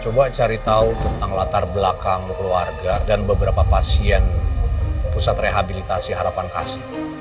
coba cari tahu tentang latar belakang keluarga dan beberapa pasien pusat rehabilitasi harapan kasih